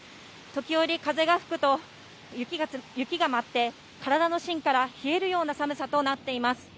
時折、風が吹くと雪が舞って、体のしんから冷えるような寒さとなっています。